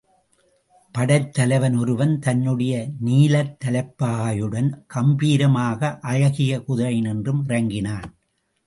படைத்தலைவன் ஒருவன் தன்னுடைய நீலத்தலைப்பாகையுடன் கம்பீரமாக அழகிய குதிரையினின்றும் இறங்கினான்.